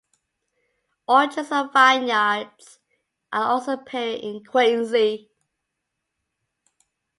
Orchards and vineyards are also appearing in Quincy.